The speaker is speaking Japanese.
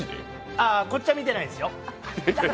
ああ、こっちは見てないですよ。